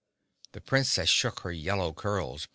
'" The Princess shook her yellow curls briskly.